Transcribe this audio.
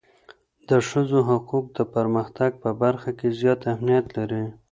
د ښځو حقوق د پرمختګ په برخه کي زیات اهمیت لري.